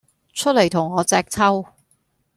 出黎同我隻揪!